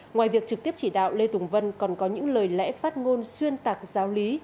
ngoài việc trực tiếp chỉ đạo lê tùng vân còn có những lời lẽ phát ngôn xuyên tạc giáo lý